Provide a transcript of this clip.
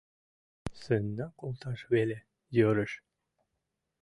Сынна колташ веле йӧрыш.